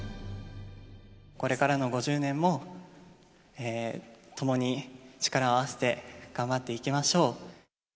これからの５０年も、共に力を合わせて頑張っていきましょう。